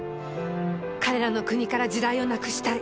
彼らの国から地雷をなくしたい。